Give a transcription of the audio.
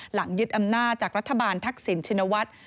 หลังยึดอำนาจากรัฐบาลทักศิลป์ชินวัฒน์